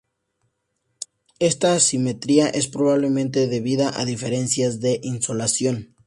Esta asimetría es probablemente debida a diferencias de insolación.